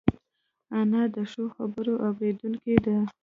انا د ښو خبرو اورېدونکې ده